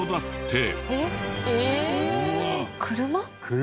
車？